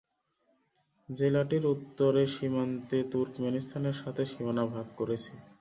জেলাটির উত্তরে সীমান্তে তুর্কমেনিস্তানের সাথে সীমানা ভাগ করেছে।